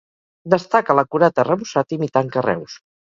Destaca l'acurat arrebossat imitant carreus.